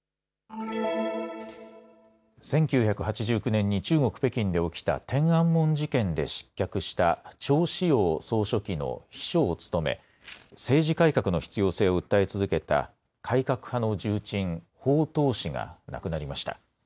１９８９年に中国・北京で起きた天安門事件で失脚した趙紫陽総書記の秘書を務め政治改革の必要性を訴え続けた改革派の重鎮、鮑とう氏が亡くなりました。